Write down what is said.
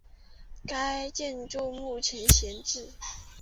该建筑目前闲置。